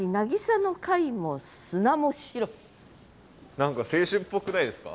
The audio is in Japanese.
何か青春っぽくないですか？